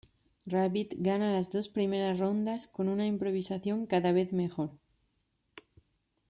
Rabbit gana las dos primeras rondas con una improvisación cada vez mejor.